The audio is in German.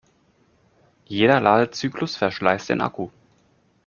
Jeder Ladezyklus verschleißt den Akku.